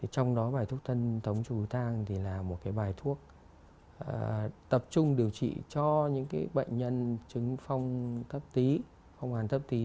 trong đó bài thuốc thân thống chung với thang thì là một cái bài thuốc tập trung điều trị cho những cái bệnh nhân trứng phong thấp tí phong hàn thấp tí